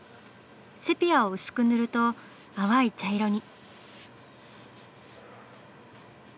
セピアを薄く塗ると淡い茶色に。